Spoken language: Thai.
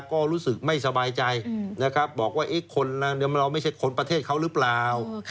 ก็รู้สึกไม่สบายใจนะครับบอกว่าคนเราไม่ใช่คนประเทศเขาหรือเปล่า